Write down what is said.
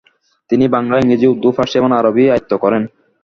তিনি বাংলা, ইংরেজি, উর্দু, ফার্সি এবং আরবি আয়ত্ত করেন।